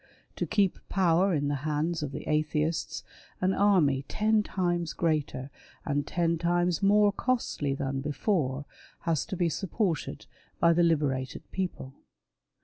To keep power in the hands of the Atheists an army, ten times greater, and ten times more costly than i before, has to be supported by the " liberated " people.